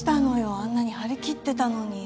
あんなに張り切ってたのに。